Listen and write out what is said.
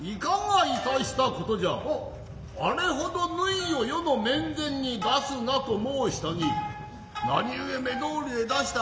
あれ程縫を予の面前に出すなと申したに何故目通りへ出した。